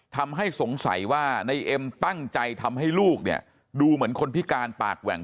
ทำให้สงสัยว่าในเอ็มตั้งใจทำให้ลูกเนี่ยดูเหมือนคนพิการปากแหว่ง